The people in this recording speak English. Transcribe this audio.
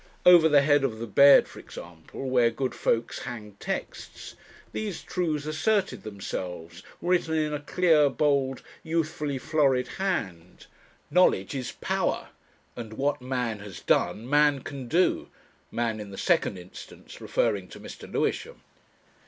Over the head of the bed, for example, where good folks hang texts, these truths asserted themselves, written in a clear, bold, youthfully florid hand: "Knowledge is Power," and "What man has done man can do," man in the second instance referring to Mr. Lewisham.